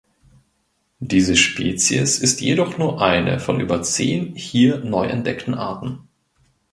Diese Spezies ist jedoch nur eine von über zehn hier neu entdeckten Arten.